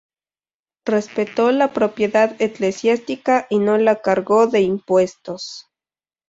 Respetó la propiedad eclesiástica y no la cargó de impuestos.